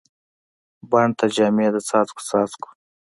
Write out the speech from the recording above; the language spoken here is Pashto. بڼ ته جامې د څاڅکو، څاڅکو